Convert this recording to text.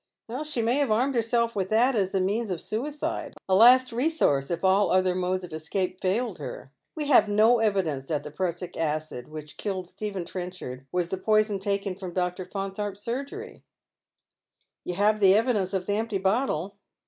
"" She may have armed herself with that as the means of ■uicide — a last resource if all other modes of escape failed her. We have no evidence that the prussic acid which killed Stephen Stephen Trenchard surprises his friends. 313 Trenchard was the poison taken from Dr. Faunthorpe's Burgeiy." " You have the evidence of the empty bottle